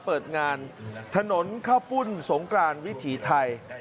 เปิดงานถนนข้าวปุ้นสงกรานวิถีไทย